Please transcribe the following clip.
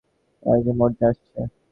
সে আমাদের মারতে আসছে।